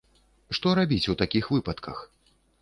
Што рабіць у такіх выпадках?